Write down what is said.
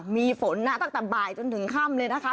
มีฝนนะตั้งแต่บ่ายจนถึงค่ำเลยนะคะ